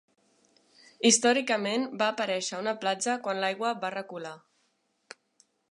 Històricament, va aparèixer una platja quan l'aigua va recular.